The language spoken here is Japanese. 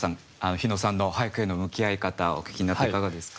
日野さんの俳句への向き合い方をお聞きになっていかがですか？